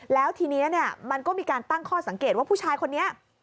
แล้วทีนี้มันก็มีการตั้งข้อสังเกตว่าผู้ชายคนนี้